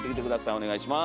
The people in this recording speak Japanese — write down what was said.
お願いします。